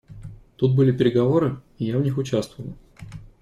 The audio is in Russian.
Тут были переговоры, и я в них участвовал.